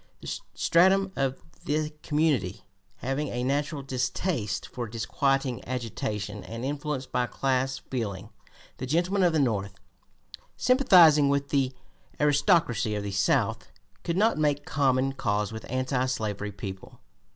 This stratum of the community, having a natural distaste for disquieting agitation and influenced by class feeling, the gentlemen of the North sympathizing with the "aristocracy" of the South, could not make common cause with anti slavery people.